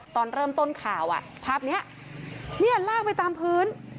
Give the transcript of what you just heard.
ตอนเริ่มต้นข่าวภาพนี้เนี่ยลากไปตามพื้น